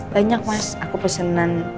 banyak mas aku pesanan